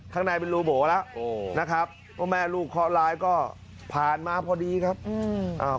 ข้างในเป็นรูโบแล้วโอ้นะครับพ่อแม่ลูกเคาะร้ายก็ผ่านมาพอดีครับอืมอ่า